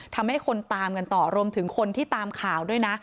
ทำให้คนตามกันต่อรวมถึงคนที่ตามข่าวด้วยนะ